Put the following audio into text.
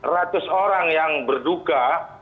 ratus orang yang berduka